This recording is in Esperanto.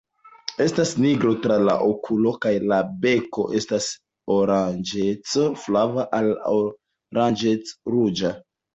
Estas nigro tra la okulo kaj la beko estas oranĝec-flava al oranĝec-ruĝa.